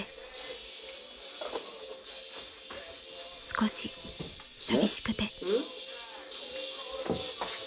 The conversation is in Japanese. ［少し寂しくて］